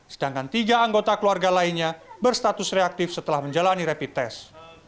sedangkan tiga anggota keluarga lainnya berstatus reaktif setelah menjalani rapid test